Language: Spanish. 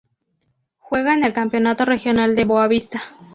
Juega en el Campeonato regional de Boavista.